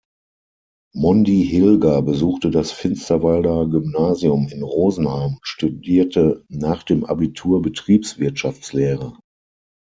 Mondi Hilger besuchte das Finsterwalder-Gymnasium in Rosenheim und studierte nach dem Abitur Betriebswirtschaftslehre.